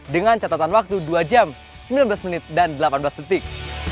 dengan catatan waktu dua jam sembilan belas menit dan delapan belas detik